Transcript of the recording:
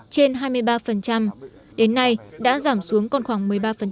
trên hai mươi ba đến nay đã giảm xuống còn khoảng một mươi ba